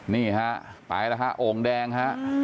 นี่ฮะไปแล้วฮะโอ่งแดงฮะ